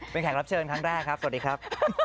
เป็นแขกรับเชิญครั้งแรกครับสวัสดีครับ